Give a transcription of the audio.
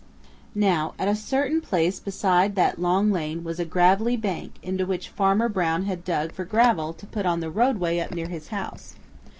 Now at a certain place beside that long lane was a gravelly bank into which Farmer Brown had dug for gravel to put on the roadway up near his house.